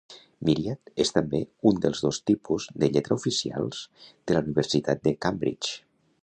Myriad és també un dels dos tipus de lletra oficials de la universitat de Cambridge.